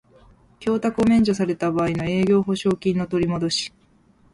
供託を免除された場合の営業保証金の取りもどし